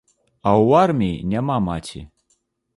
А ў арміі няма маці.